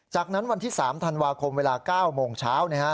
จากนั้นวันที่๓ธันวาคมเวลา๙โมงเช้า